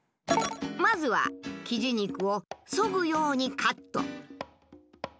まずはキジ肉をそぐようにカット。